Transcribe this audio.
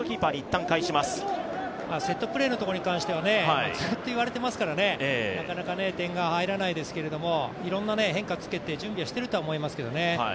セットプレーのところに関してはずっと言われていますからなかなか点が入らないですけどいろんな変化をつけて準備はしてると思いますけどね。